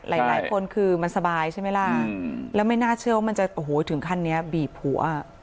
หลายคนคือมันสบายใช่ไหมล่ะแล้วไม่น่าเชื่อว่ามันจะโอ้โหถึงขั้นนี้บีบหัว